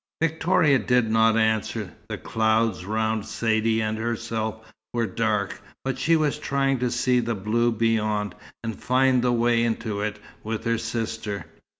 Victoria did not answer. The clouds round Saidee and herself were dark, but she was trying to see the blue beyond, and find the way into it, with her sister.